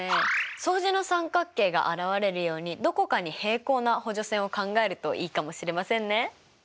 相似の三角形が現れるようにどこかに平行な補助線を考えるといいかもしれませんね。